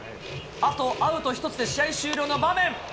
あとアウト１つで試合終了の場面。